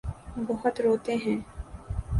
بہت روتے ہیں۔